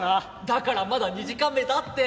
「だからまだ２時間目だって」。